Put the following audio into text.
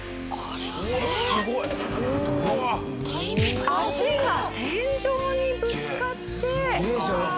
足が天井にぶつかって板が落下。